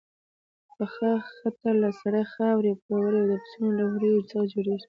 پخه خټه له سرې خاورې، پروړې او د پسونو له وړیو څخه جوړیږي.